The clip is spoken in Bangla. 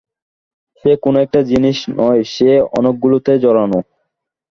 সে কোনো একটা জিনিস নয়, সে অনেকগুলোতে জড়ানো।